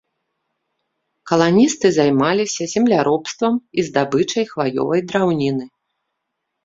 Каланісты займаліся земляробствам і здабычай хваёвай драўніны.